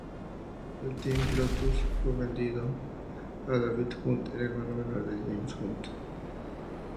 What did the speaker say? El Team Lotus fue vendido a David Hunt, el hermano menor de James Hunt.